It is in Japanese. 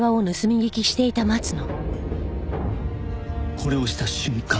これ押した瞬間